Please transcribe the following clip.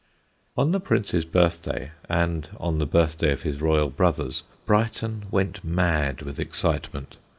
'" On the Prince's birthday, and on the birthday of his royal brothers, Brighton went mad with excitement.